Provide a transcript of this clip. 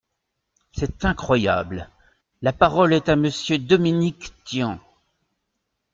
C’est incroyable ! La parole est à Monsieur Dominique Tian.